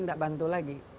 tidak bantu lagi